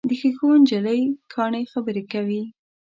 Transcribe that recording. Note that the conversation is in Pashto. د ښیښو نجلۍ کاڼي خبرې کوي.